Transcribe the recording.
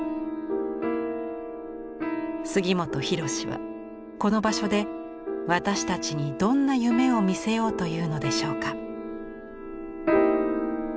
杉本博司はこの場所で私たちにどんな夢を見せようというのでしょうか。